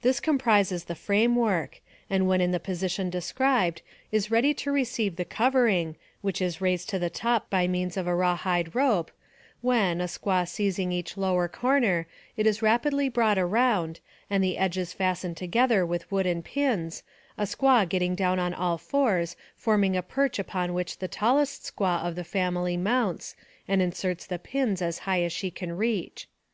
This comprises the frame work, and when in the position described is ready to receive the covering, which is raised to the top by means of a rawhide rope, when, a squaw seizing each lower corner, it is rapidly brought around, and the edges fastened together with wooden pins, a squaw getting down on all fours, forming a perch upon which the tallest squaw of the family mounts and inserts the pins as high as she can reach.